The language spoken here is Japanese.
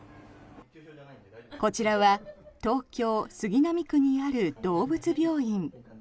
こちらは東京・杉並区にある動物病院。